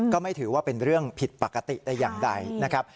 ก็ไม่ถือว่าเป็นเรื่องผิดปกติแต่อย่างใดนะครับ